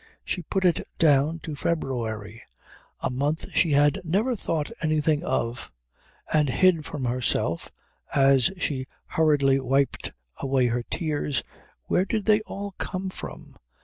She put it down to February, a month she had never thought anything of, and hid from herself as she hurriedly wiped away her tears where did they all come from?